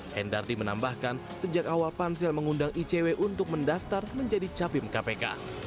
hendardi menambahkan sejak awal pansel mengundang icw untuk mendaftar menjadi capim kpk